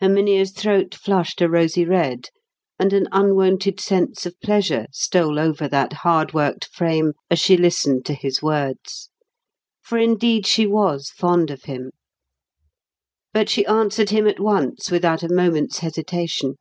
Herminia's throat flushed a rosy red, and an unwonted sense of pleasure stole over that hard worked frame as she listened to his words; for indeed she was fond of him. But she answered him at once without a moment's hesitation.